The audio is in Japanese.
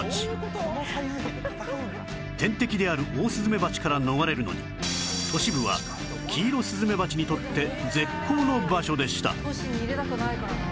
天敵であるオオスズメバチから逃れるのに都市部はキイロスズメバチにとって絶好の場所でした